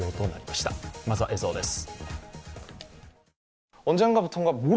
まずは映像です。